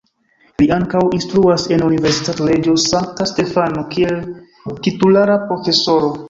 Li ankaŭ instruas en Universitato Reĝo Sankta Stefano kiel titulara profesoro.